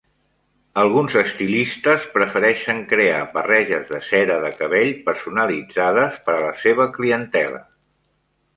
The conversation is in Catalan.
Alguns estilistes prefereixen crear barreges de cera de cabell personalitzades per a la seva clientela.